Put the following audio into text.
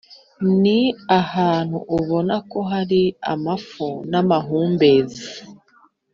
ni ahantu ubona ko hari amafu namahumbezi